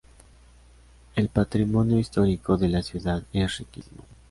El patrimonio histórico de la ciudad es riquísimo.